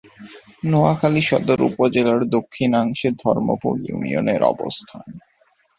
নোয়াখালী সদর উপজেলার দক্ষিণাংশে ধর্মপুর ইউনিয়নের অবস্থান।